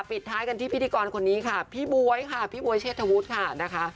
ปิดท้ายกันที่พิธีกรคนนี้ค่ะพี่บ๊วยค่ะพี่บ๊วยเชษฐวุฒิค่ะนะคะ